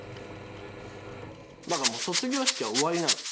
だからもう卒業式は終わりなの。